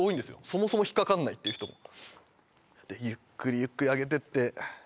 そもそも引っかかんないっていう人もゆっくりゆっくり上げてって